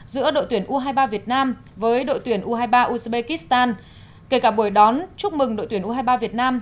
giữa đội tuyển u hai mươi ba việt nam với đội tuyển u hai mươi ba uzbekistan kể cả buổi đón chúc mừng đội tuyển u hai mươi ba việt nam